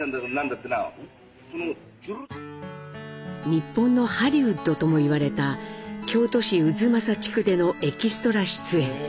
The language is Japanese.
日本のハリウッドとも言われた京都市太秦地区でのエキストラ出演。